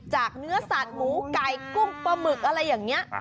เนื้อสัตว์หมูไก่กุ้งปลาหมึกอะไรอย่างนี้